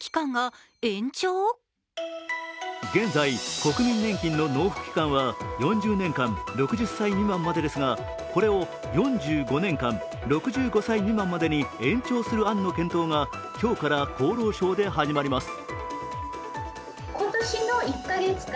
現在、国民年金の納付期間は４０年間６０歳未満までですが、これを４５年間、６５歳未満までに延長する案の検討が今日から厚労省で始まります。